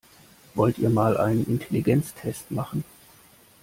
Wollt ihr mal einen Intelligenztest machen?